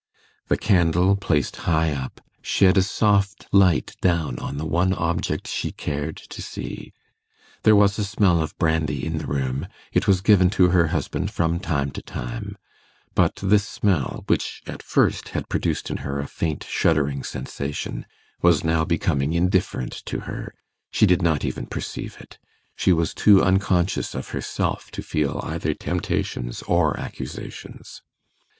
The candle, placed high up, shed a soft light down on the one object she cared to see. There was a smell of brandy in the room; it was given to her husband from time to time; but this smell, which at first had produced in her a faint shuddering sensation, was now becoming indifferent to her: she did not even perceive it; she was too unconscious of herself to feel either temptations or accusations.